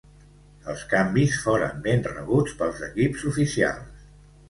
Els canvis foren ben rebuts pels equips oficials.